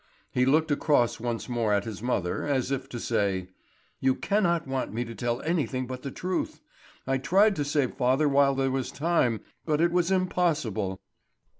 He looked across once more at his mother, as if to say: "You cannot want me to tell anything but the truth. I tried to save father while there was time, but it was impossible."